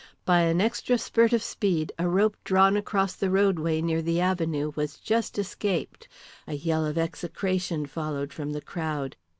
By an extra spurt of speed a rope drawn across the roadway near the avenue was just escaped. A yell of execration followed from the crowd.